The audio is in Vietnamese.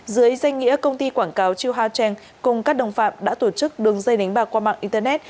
dưới danh nghĩa công ty quảng cáo chil ha trang cùng các đồng phạm đã tổ chức đường dây đánh bạc qua mạng internet